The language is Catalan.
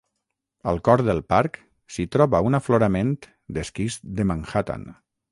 Al cor del parc, s'hi troba un aflorament d'esquist de Manhattan.